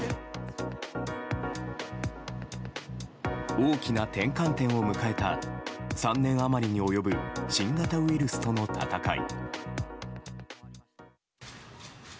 大きな転換点を迎えた３年余りに及ぶ新型ウイルスとの闘い。